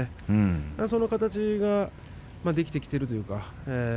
その形ができてきているというか。